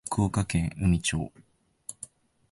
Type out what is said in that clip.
福岡県宇美町